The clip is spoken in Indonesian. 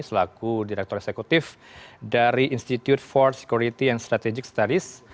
selaku direktur eksekutif dari institute for security and strategic studies